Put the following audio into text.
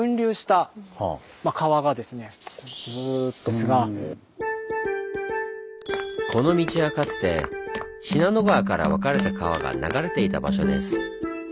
実はこの道はかつて信濃川から分かれた川が流れていた場所です。